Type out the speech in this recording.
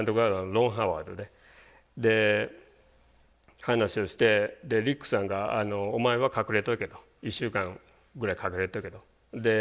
で話をしてリックさんが「お前は隠れとけ」と。「１週間ぐらい隠れとけ」と。